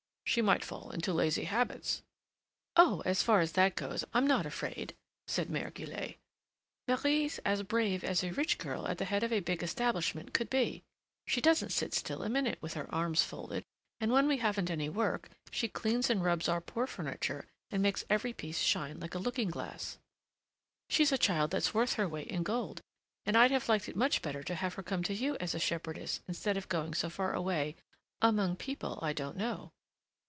She might fall into lazy habits " "Oh! as far as that goes, I'm not afraid," said Mère Guillette. "Marie's as brave as a rich girl at the head of a big establishment could be. She doesn't sit still a minute with her arms folded, and when we haven't any work, she cleans and rubs our poor furniture and makes every piece shine like a looking glass. She's a child that's worth her weight in gold, and I'd have liked it much better to have her come to you as a shepherdess instead of going so far away among people I don't know.